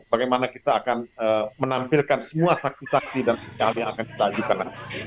bagaimana kita akan menampilkan semua saksi saksi dan ahli yang akan kita hadirkan